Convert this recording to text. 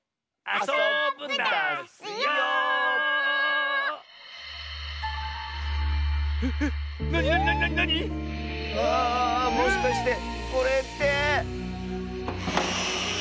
あもしかしてこれって。